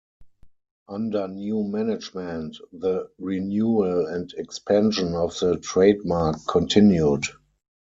Under new management the renewal and expansion of the trademark continued.